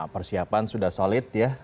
persiapan sudah solid ya